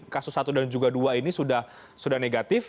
kasus satu dan juga dua ini sudah negatif